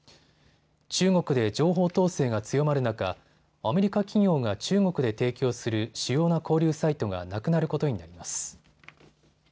中国で情報統制が強まる中、アメリカ企業が中国で提供する主要な交流サイトがなくなることになります。